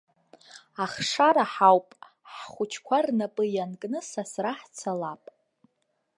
Ахшара ҳауп, ҳхәыҷқәа рнапы ианкны, сасра ҳцалап.